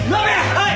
はい！